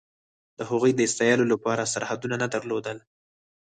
د هغوی د ستایلو لپاره سرحدونه نه درلودل.